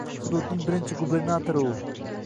Hududning birinchi gubernatori U